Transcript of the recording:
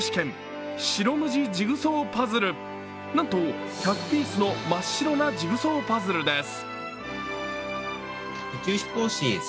なんと１００ピースの真っ白なジグソーパズルです。